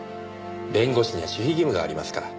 弁護士には守秘義務がありますから。